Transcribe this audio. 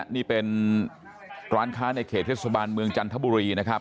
นี่เป็นร้านค้าในเขตเทศบาลเมืองจันทบุรีนะครับ